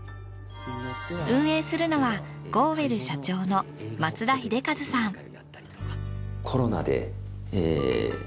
運営するのはゴーウェル社長の松田秀和さん。